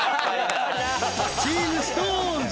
チームＳｉｘＴＯＮＥＳ